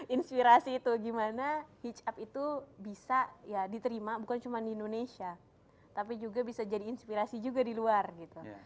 inspirasi itu gimana hit up itu bisa ya diterima bukan cuma di indonesia tapi juga bisa jadi inspirasi juga di luar gitu